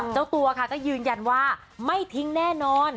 เจ้าตัวค่ะก็ยืนยันว่าไม่ทิ้งแน่นอน